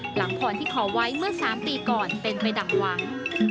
หลังพรที่ขอไว้เมื่อ๓ปีก่อนเป็นไปดักหวัง